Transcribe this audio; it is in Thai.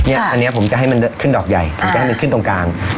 อันนี้ผมจะให้มันขึ้นดอกใหญ่ผมจะให้มันขึ้นตรงกลาง